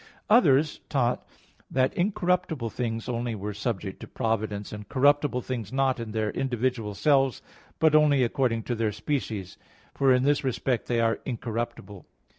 Others taught that incorruptible things only were subject to providence and corruptible things not in their individual selves, but only according to their species; for in this respect they are incorruptible.